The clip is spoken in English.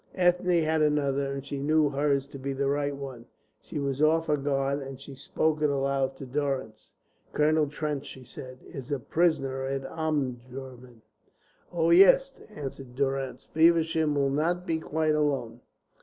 Ethne had another, and she knew hers to be the right one. She was off her guard, and she spoke it aloud to Durrance. "Colonel Trench," said she, "is a prisoner at Omdurman." "Oh, yes," answered Durrance. "Feversham will not be quite alone.